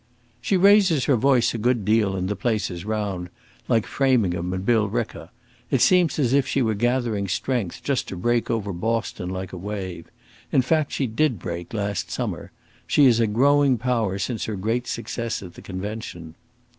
"She raises her voice a good deal in the places round like Framingham and Billerica. It seems as if she were gathering strength, just to break over Boston like a wave. In fact she did break, last summer. She is a growing power since her great success at the convention."